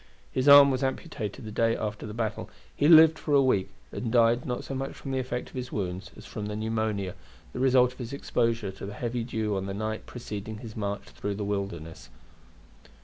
His arm was amputated the day after the battle; he lived for a week, and died not so much from the effect of his wounds as from the pneumonia, the result of his exposure to the heavy dew on the night preceding his march through the Wilderness.